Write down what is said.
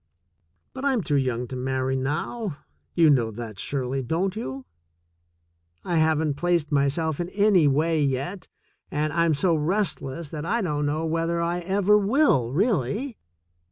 But I'm too young to marry now. You know that, Shirley, don't you? I haven't placed myself in any wa); yet, and I'm so restless that I don't know whether I ever will, really.